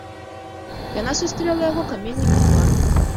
Яна сустрэла яго каменем у твар.